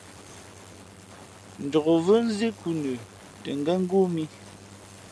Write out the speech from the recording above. Njokvʉ́ nzí nkhǔ nə tα ngén ngóó mǐ.